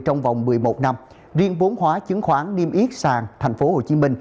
trong vòng một mươi một năm riêng vốn hóa chứng khoán niêm yết sàng tp hcm